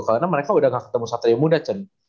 karena mereka udah gak ketemu satria mudachen